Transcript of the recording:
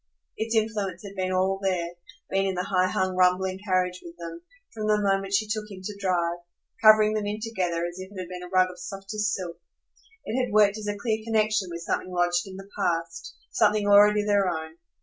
Its influence had been all there, been in the high hung, rumbling carriage with them, from the moment she took him to drive, covering them in together as if it had been a rug of softest silk. It had worked as a clear connexion with something lodged in the past, something already their own.